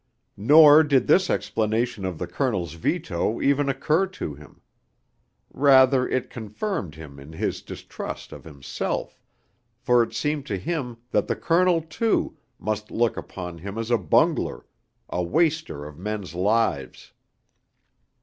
Nor did this explanation of the Colonel's veto even occur to him. Rather it confirmed him in his distrust of himself, for it seemed to him that the Colonel, too, must look upon him as a bungler, a waster of men's lives....